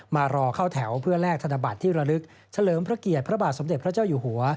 มารอเข้าแถวเพื่อแลกธนบัตรที่ระลึกเฉลิมพระเกียรติพระบาทสมเด็จพระเจ้าอยู่หัว